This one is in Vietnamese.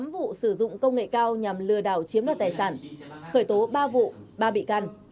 tám vụ sử dụng công nghệ cao nhằm lừa đảo chiếm đoạt tài sản khởi tố ba vụ ba bị can